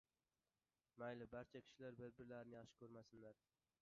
Mayli, barcha kishilar bir-birlarini yaxshi ko‘rmasinlar